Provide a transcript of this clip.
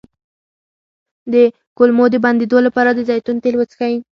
د کولمو د بندیدو لپاره د زیتون تېل وڅښئ